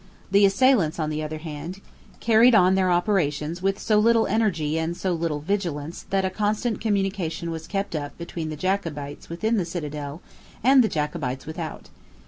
The assailants, on the other hand, carried on their operations with so little energy and so little vigilance that a constant communication was kept up between the Jacobites within the citadel and the Jacobites without.